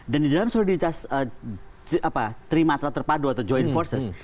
dan di dalam soliditas terima terpadu atau joint forces